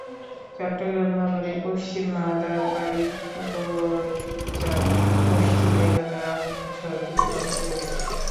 চট্টগ্রাম নগরের পশ্চিম মাদারবাড়ী গোগীচান মসজিদ এলাকায় আগুনে ছয়টি দোকান পুড়ে গেছে।